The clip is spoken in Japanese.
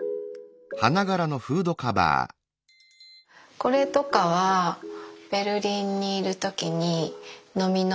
これとかはベルリンにいる時に蚤の市で見つけて。